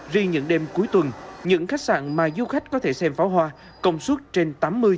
ri những đêm cuối tuần những khách sạn mà du khách có thể xem pháo hoa công suất trên tám mươi chín mươi